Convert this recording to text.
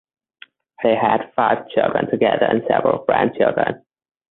They had five children together and several grandchildren.